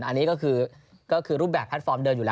อันนี้ก็คือรูปแบบแพลตฟอร์มเดิมอยู่แล้ว